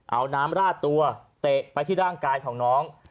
เอาน้ำราดตัวเตะไปที่ร่างกายของน้อง